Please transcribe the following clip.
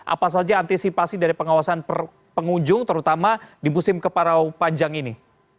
apa saja antisipasi dari pengawasan pengunjung terutama di musim kemarau panjang ini